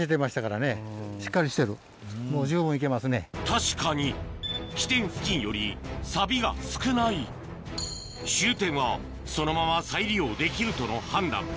確かに起点付近より錆が少ない終点はそのまま再利用できるとの判断